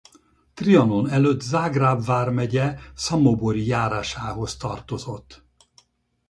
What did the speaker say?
Trianon előtt Zágráb vármegye Szamobori járásához tartozott.